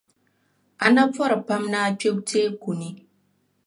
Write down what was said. A na pɔri pam ni a kpe teeku ni.